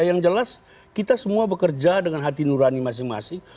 yang jelas kita semua bekerja dengan hati nurani masing masing